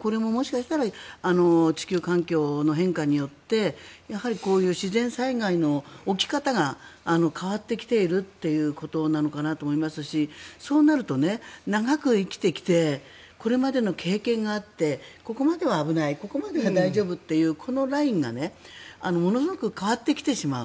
これも、もしかしたら地球環境の変化によってやはりこういう自然災害の起き方が変わってきているということなのかなと思いますしそうなると長く生きてきてこれまでの経験があってここまでは危ない、ここまでは大丈夫というこのラインがものすごく変わってきてしまう。